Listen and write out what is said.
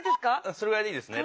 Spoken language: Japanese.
それぐらいでいいですね。